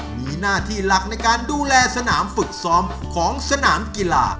มีหน้าที่หลักในการดูแลสนามฝึกซ้อมของสนามกีฬา